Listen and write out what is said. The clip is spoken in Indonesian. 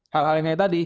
hal hal yang tadi